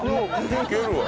いけるわ。